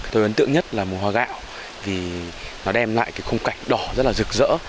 tôi ấn tượng nhất là mùa hoa gạo vì nó đem lại cái khung cảnh đỏ rất là rực rỡ